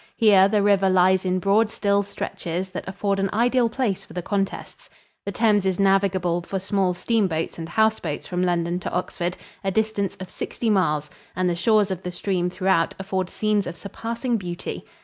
Here the river lies in broad still stretches that afford an ideal place for the contests. The Thames is navigable for small steamboats and houseboats from London to Oxford, a distance of sixty miles, and the shores of the stream throughout afford scenes of surpassing beauty.